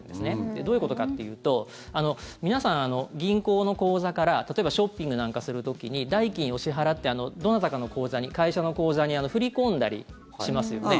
どういうことかっていうと皆さん、銀行の口座から例えばショッピングなんかする時に代金を支払ってどなたかの口座に会社の口座に振り込んだりしますよね。